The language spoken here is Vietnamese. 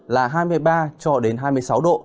là hai mươi ba cho đến hai mươi sáu độ